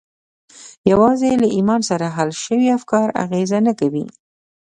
یوازې له ایمان سره حل شوي افکار اغېز نه کوي